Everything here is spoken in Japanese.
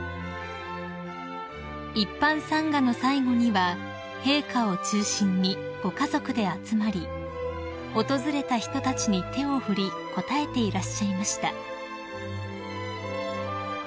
［一般参賀の最後には陛下を中心にご家族で集まり訪れた人たちに手を振り応えていらっしゃいました］